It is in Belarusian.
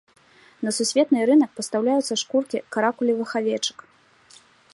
На сусветны рынак пастаўляюцца шкуркі каракулевых авечак.